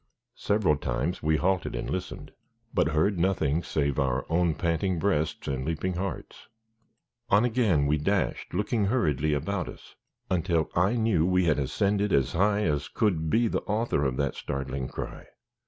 Several times we halted and listened, but heard nothing save our own panting breasts and leaping hearts. On again we dashed, looking hurriedly about us, until I knew we had ascended as high as could be the author of that startling cry.